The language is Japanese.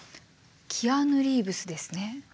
キアヌ・リーブスですね。